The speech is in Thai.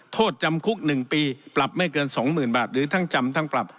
โทษจำคุกหนึ่งปีปรับไม่เกินสองหมื่นบาทหรือทั้งจำทั้งปรับ